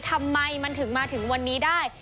ทำไมมันถึงมาถึงวันนี้ได้